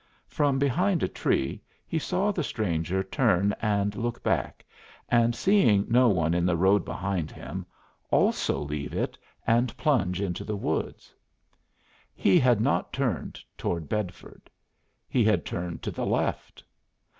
From behind a tree he saw the stranger turn and look back, and seeing no one in the road behind him, also leave it and plunge into the woods. He had not turned toward Bedford; he had turned to the left.